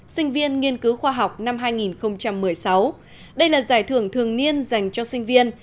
sinh viên nghiên cứu khoa học năm hai nghìn một mươi sáu đây là giải thưởng thường niên dành cho sinh viên